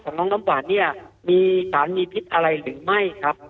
น้องน้ำหวานเนี่ยมีสารมีพิษอะไรหรือไม่ครับ